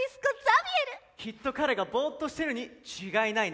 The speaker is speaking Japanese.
きっと彼がボーっとしてるに違いないね。